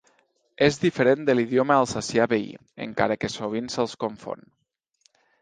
És diferent de l'idioma alsacià veí, encara que sovint se'ls confon.